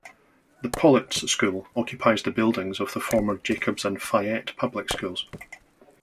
The Politz School occupies the buildings of the former Jacobs and Fayette Public Schools.